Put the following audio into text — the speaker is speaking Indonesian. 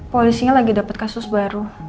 polisinya lagi dapat kasus baru